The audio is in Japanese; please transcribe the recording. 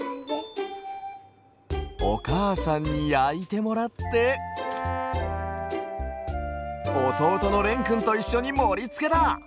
おかあさんにやいてもらっておとうとのれんくんといっしょにもりつけだ！